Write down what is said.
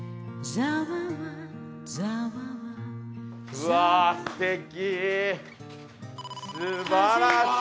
うわぁすてき！